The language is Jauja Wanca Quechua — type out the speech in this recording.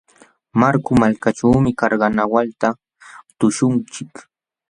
Marku malkaćhuumi karnawalta tuśhunchik.